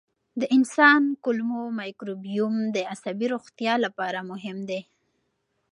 د انسان کولمو مایکروبیوم د عصبي روغتیا لپاره مهم دی.